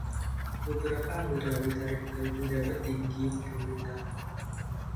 Beberapa anggota ditarik dari pejabat tinggi pemerintahan.